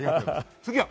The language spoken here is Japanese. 次は。